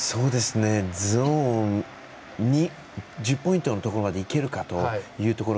ゾーン２１０ポイントのところまでいけるかどうか。